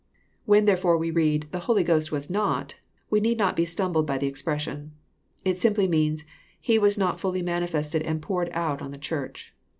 When therefore we read " the Holy Ghost was not," we need not be stumbled by the expression. It simply means " He was not fblly manifested and poared out on the Church."